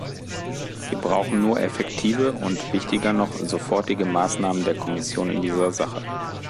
Wir brauchen nur effektive und, wichtiger noch, sofortige Maßnahmen der Kommission in dieser Sache.